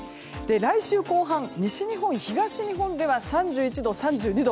来週後半、西日本、東日本では３１度、３２度。